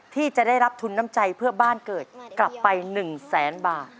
ที่จะได้รับทุนน้ำใจเพื่อบ้านเกิดกลับไป๑แสนบาท